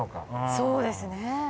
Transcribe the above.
そうですね。